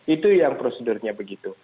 itu yang prosedurnya begitu